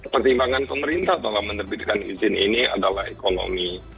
pertimbangan pemerintah bahwa menerbitkan izin ini adalah ekonomi